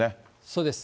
そうです。